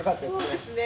そうですね。